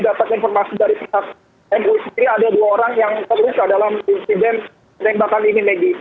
megi yang kami dapat informasi dari pihak mui sendiri ada dua orang yang terusah dalam insiden penembakan ini megi